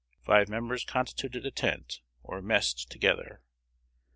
Five members constituted a tent, or 'messed' together.